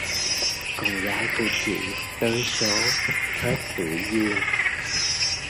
Con gái của chị tới số hết tuổi dương